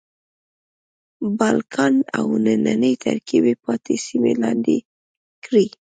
بالکان او نننۍ ترکیې پاتې سیمې لاندې کړې.